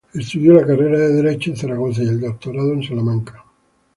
Estudió la carrera de Derecho en Zaragoza y el doctorado en Salamanca.